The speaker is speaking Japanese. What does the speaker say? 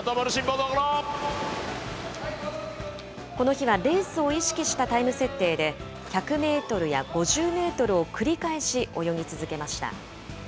この日は、レースを意識したタイム設定で、１００メートルや５０メートルを繰り返し泳ぎ続けました。